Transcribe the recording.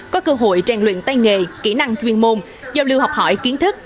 có cơ hội trang luyện tay nghề kỹ năng chuyên môn giao lưu học hỏi kiến thức